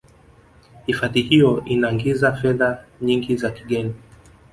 hifadhi hiyo inangiza fedha nyingi za kigeni